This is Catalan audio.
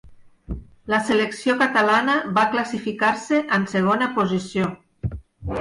La selecció catalana va classificar-se en segona posició.